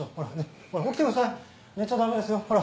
寝ちゃ駄目ですよほら。